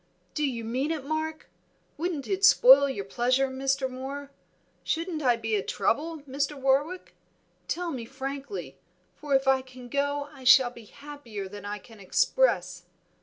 "Do you mean it, Mark? Wouldn't it spoil your pleasure, Mr. Moor? Shouldn't I be a trouble, Mr. Warwick? Tell me frankly, for if I can go I shall be happier than I can express."